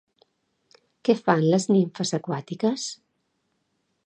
Què fan les nimfes aquàtiques?